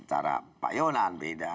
cara pak yonan beda